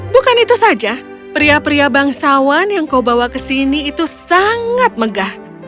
bukan itu saja pria pria bangsawan yang kau bawa ke sini itu sangat megah